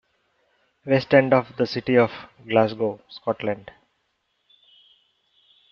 West End of the city of Glasgow, Scotland.